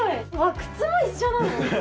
靴も一緒なの？